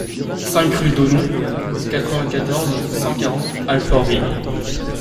cinq rue Daunot, quatre-vingt-quatorze, cent quarante, Alfortville